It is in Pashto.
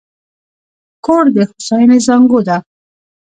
کور د هوساینې زانګو ده.